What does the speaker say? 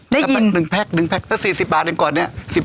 แล้ว๔๐บาทเนี่ยก่อนเนี่ย